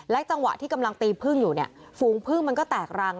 จังหวะที่กำลังตีพึ่งอยู่เนี่ยฝูงพึ่งมันก็แตกรัง